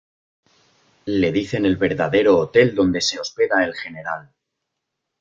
Le dicen el verdadero hotel donde se hospeda el General.